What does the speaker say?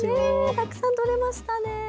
たくさん取れましたね。